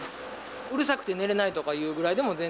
うるさくて寝れないというぐらいでも、全然。